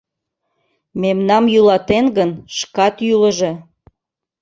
— Мемнам йӱлатен гын, шкат йӱлыжӧ!..